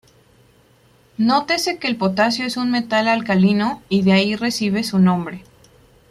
Nótese que el potasio es un metal alcalino, y de ahí recibe su nombre.